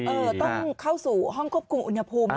เออต้องเข้าสู่ห้องควบคุมอุณหภูมิ